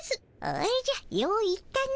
おじゃよう言ったの。